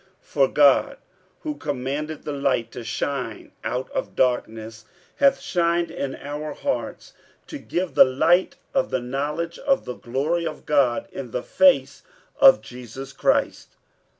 47:004:006 For God, who commanded the light to shine out of darkness, hath shined in our hearts, to give the light of the knowledge of the glory of God in the face of Jesus Christ.